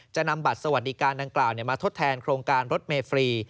จะนำบัตรสวัสดิการดังกล่าวมาทดแทนโครงการรถเมฟรี